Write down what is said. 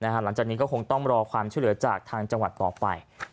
หลังจากนี้ก็คงต้องรอความช่วยเหลือจากทางจังหวัดต่อไป